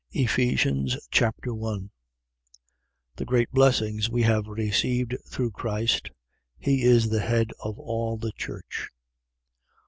Ephesians Chapter 1 The great blessings we have received through Christ. He is the head of all the church.